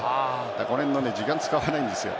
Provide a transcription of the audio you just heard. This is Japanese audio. この辺の時間を使わないんですよ。